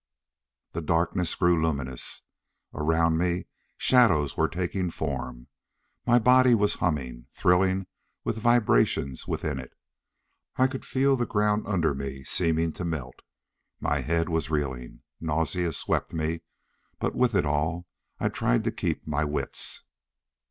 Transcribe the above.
The darkness grew luminous. Around me shadows were taking form. My body was humming, thrilling with the vibrations within it. I could feel the ground under me seeming to melt. My head was reeling. Nausea swept me, but with it all I tried to keep my wits.